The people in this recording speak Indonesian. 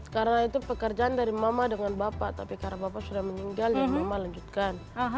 karena itu pekerjaan dari mama dengan bapak tapi karena bapak sudah meninggal ya mama lanjutkan